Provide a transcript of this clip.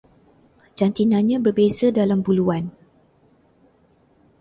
Jantinanya berbeza dalam buluan